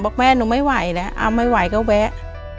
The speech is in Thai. แม่หนูไม่ไหวแล้วเอาไม่ไหวก็แวะ